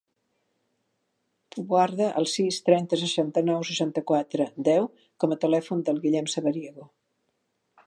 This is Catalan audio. Guarda el sis, trenta, seixanta-nou, seixanta-quatre, deu com a telèfon del Guillem Sabariego.